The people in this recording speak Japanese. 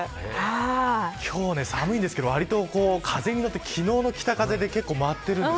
寒いですけど風に乗って昨日の北風で結構舞っているんです。